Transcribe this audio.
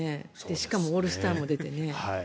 しかもオールスターも出てね。